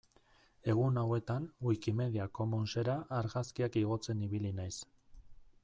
Egun hauetan Wikimedia Commonsera argazkiak igotzen ibili naiz.